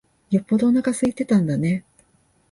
よっぽどおなか空いてたんだね。